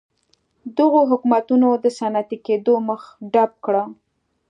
دغو حکومتونو د صنعتي کېدو مخه ډپ کړه.